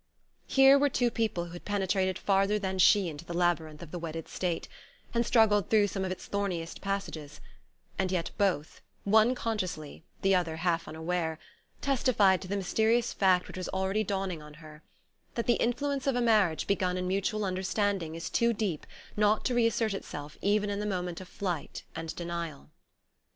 Here were two people who had penetrated farther than she into the labyrinth of the wedded state, and struggled through some of its thorniest passages; and yet both, one consciously, the other half unaware, testified to the mysterious fact which was already dawning on her: that the influence of a marriage begun in mutual understanding is too deep not to reassert itself even in the moment of flight and denial.